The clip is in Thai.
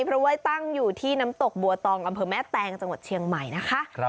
เพราะว่าตั้งอยู่ที่น้ำตกบัวตองอำเภอแม่แตงจังหวัดเชียงใหม่นะคะ